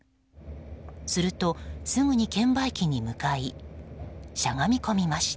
すると、すぐに券売機に向かいしゃがみ込みました。